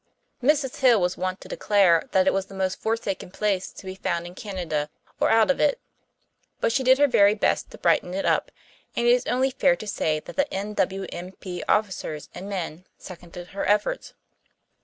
Mrs. Hill was wont to declare that it was the most forsaken place to be found in Canada or out of it; but she did her very best to brighten it up, and it is only fair to say that the N.W.M.P., officers and men, seconded her efforts.